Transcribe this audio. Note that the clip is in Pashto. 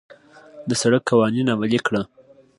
د سړک قوانين عملي کړه.